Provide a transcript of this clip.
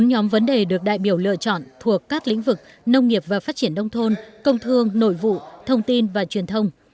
bốn nhóm vấn đề được đại biểu lựa chọn thuộc các lĩnh vực nông nghiệp và phát triển đông thôn công thương nội vụ thông tin và truyền thông